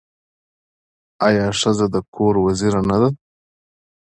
آیا ښځه د کور وزیره نه ده؟